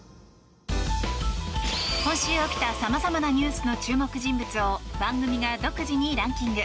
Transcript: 今週起きた様々なニュースの注目人物を番組が独自にランキング。